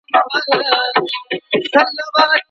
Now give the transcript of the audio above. آیا د ځانګړو موضوعاتو په اړه ژوره پوهه ترلاسه کېږي؟